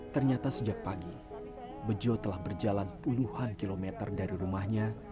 ternyata sejak pagi bejo telah berjalan puluhan kilometer dari rumahnya